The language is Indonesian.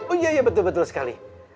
oh iya iya betul betul sekali